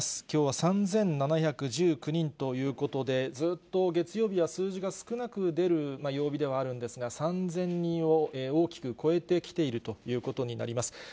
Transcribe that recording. きょうは３７１９人ということで、ずっと月曜日は数字が少なく出る曜日ではあるんですが、３０００人を大きく超えてきているということになります。